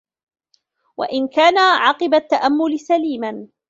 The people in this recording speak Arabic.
وَإِنْ كَانَ عَقِبَ التَّأَمُّلِ سَلِيمًا